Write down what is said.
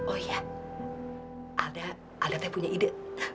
oh iya alda alda teh punya ide